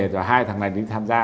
rồi hai thằng này đi tham gia